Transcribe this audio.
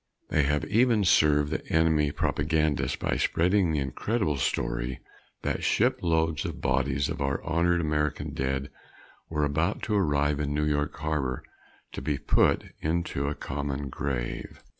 They have even served the enemy propagandists by spreading the incredible story that ship loads of bodies of our honored American dead were about to arrive in New York harbor to be put into a common grave.